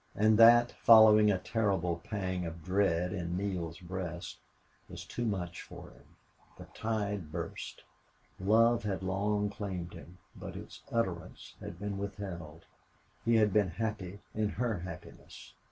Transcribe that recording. And that, following a terrible pang of dread in Neale's breast, was too much for him. The tide burst. Love had long claimed him, but its utterance had been withheld. He had been happy in her happiness.